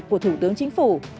của thủ tướng chính phủ